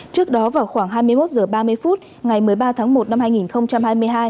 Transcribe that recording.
trước đó vào khoảng hai mươi một h ba mươi phút ngày một mươi ba tháng một năm hai nghìn hai mươi hai